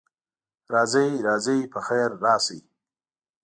راځئ، راځئ، پخیر راشئ.